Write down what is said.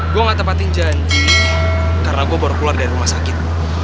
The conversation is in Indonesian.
gue gak tepatin janji karena gue baru keluar dari rumah sakit